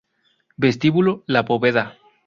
Vestíbulo La Poveda